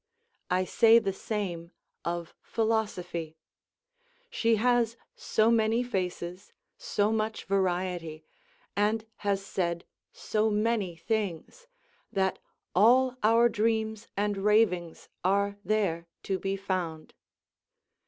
I say the same of Philosophy; she has so many faces, so much variety, and has said so many things, that all our dreams and ravings are there to be found.